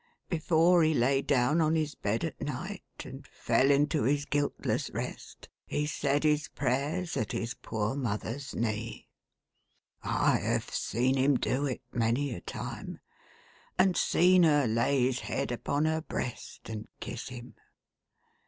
Before he lav down on his bed at night, and fell into his guiltless rest, he said his prayers at his poor mother's knee. I have seen him do it, manv a time ; and seen her lay his head upon her breast, and kiss him.